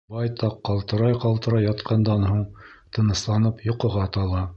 Байтаҡ ҡалтырай-ҡалтырай ятҡандан һуң, тынысланып, йоҡоға тала.